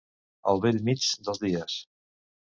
Al bell mig dels dies.